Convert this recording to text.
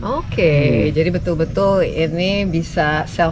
oke jadi betul betul ini bisa self